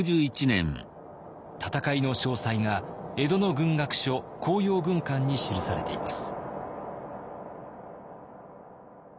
戦いの詳細が江戸の軍学書「甲陽軍鑑」に記されています。